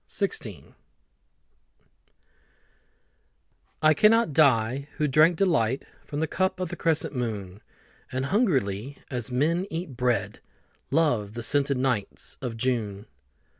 The Wine I cannot die, who drank delight From the cup of the crescent moon, And hungrily as men eat bread, Loved the scented nights of June.